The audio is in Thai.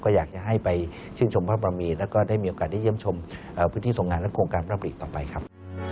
ก็อยากจะให้ไปชื่นชมพระบรมีแล้วก็ได้มีโอกาสได้เยี่ยมชมพื้นที่ทรงงานและโครงการพระปลีกต่อไปครับ